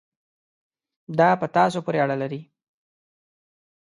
دا په تاسو پورې اړه لري.